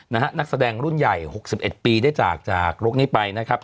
นักแสดงรุ่นใหญ่๖๑ปีได้จากโรคนี้ไปนะครับ